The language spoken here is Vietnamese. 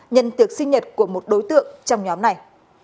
nhân tiệc sinh nhật của một đối tượng trong nhóm này